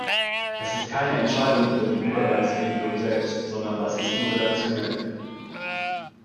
Es ist keine Entscheidung über die Übergangsregelung selbst, sondern das ist nur redaktionell!